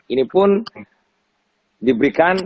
ini pun diberikan